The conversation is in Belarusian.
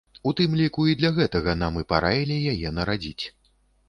У тым ліку, і для гэтага нам і параілі яе нарадзіць.